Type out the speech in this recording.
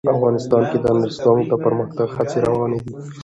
افغانستان کې د نورستان د پرمختګ هڅې روانې دي.